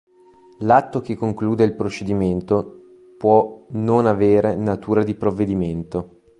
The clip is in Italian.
L'atto che conclude il procedimento può non avere natura di provvedimento.